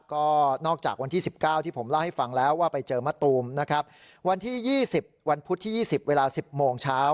ก็นอกจากวันที่๑๙ที่ผมเล่าให้ฟังแล้วว่าไปเจอมะตูมนะครับวันที่๒๐วันพุธที่๒๐เวลา๑๐โมงเช้า